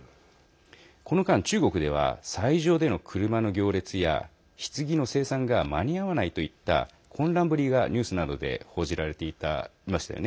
この間、中国では斎場での車の行列やひつぎの生産が間に合わないといった混乱ぶりがニュースなどで報じられていましたよね。